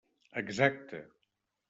Exacte.